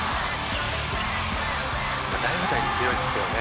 「大舞台強いですよね」